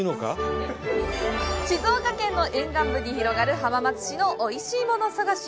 静岡県の沿岸部に広がる浜松市のおいしいもの探し。